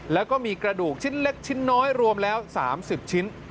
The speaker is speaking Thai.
แล้วก็มีกระดูกชิ้นเล็กชิ้นน้อยรวมแล้ว๓๐ชิ้น